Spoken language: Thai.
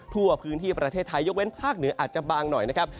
ทั่วพื้นที่ประเทศไทยยกเว้นภาคเหนืออาจจะบางหน่อยนะครับ